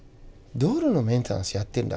道路のメンテナンスやってんだ